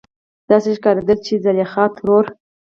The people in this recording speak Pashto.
داسې ښکارېدل چې زليخا ترور